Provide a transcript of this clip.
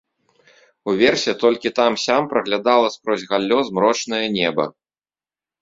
Уверсе толькі там-сям праглядала скрозь галлё змрочнае неба.